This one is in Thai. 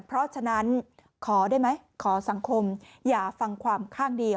เพราะฉะนั้นขอได้ไหมขอสังคมอย่าฟังความข้างเดียว